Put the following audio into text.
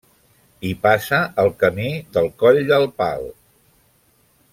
Hi passa el Camí del Coll del Pal.